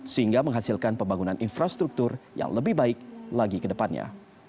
sehingga menghasilkan pembangunan infrastruktur yang lebih baik lagi ke depannya